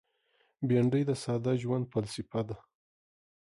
بېنډۍ د ساده ژوند فلسفه ده